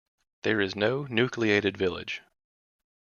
There is no nucleated village.